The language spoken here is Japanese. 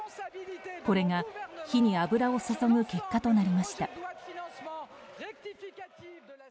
これが火に油を注ぐ結果となりました。